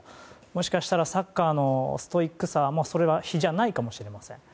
もしかしたらサッカーのストイックさは比じゃないかもしれません。